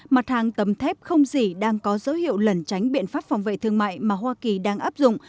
mặt hàng tấm thép không dị đang có dấu hiệu lẩn tránh biện pháp phòng vệ thương mại mà hoa kỳ đang áp dụng